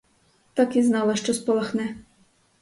Так і знала, що спалахне.